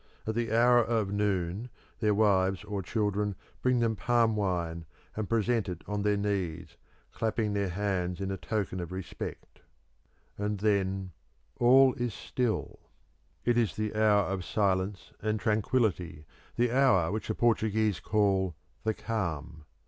At the hour of noon their wives or children bring them palm wine, and present it on their knees, clapping their hands in a token of respect. And then all is still; it is the hour of silence and tranquillity, the hour which the Portuguese call "the calm."